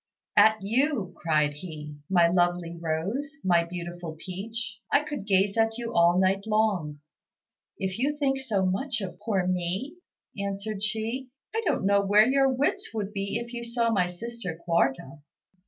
"At you," cried he, "my lovely rose, my beautiful peach. I could gaze at you all night long." "If you think so much of poor me," answered she, "I don't know where your wits would be if you saw my sister Quarta."